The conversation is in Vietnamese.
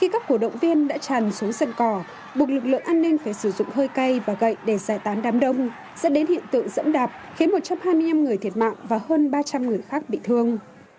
các cổ động viên đã tràn xuống sân cỏ buộc lực lượng an ninh phải sử dụng hơi cay và gậy để giải tán đám đông dẫn đến hiện tượng dẫm đạp khiến một trăm hai mươi năm người thiệt mạng và hơn ba trăm linh người khác bị thương